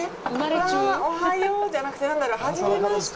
うわぁ、おはようじゃなくて何だろう、初めまして！